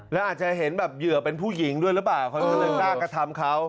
แล้วอาจจะเห็นแบบเหยื่อเป็นผู้หญิงด้วยหรือเปล่าเขาก็เลยกล้ากระทำเขา